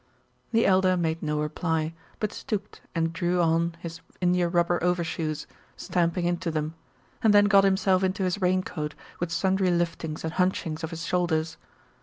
The Elder made no reply, but stooped and drew on his india rubber overshoes, stamping into them, and then got himself into his raincoat with sundry liftings and hunchings of his shoulders.